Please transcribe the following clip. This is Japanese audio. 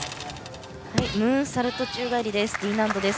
ムーンサルト宙返りＤ難度です。